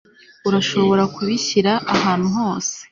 urashobora kubishyira ahantu hose